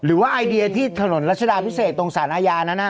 หรือว่าไอเดียที่ถนนรัชดาพิเศษตรงศาลายานั้นนะ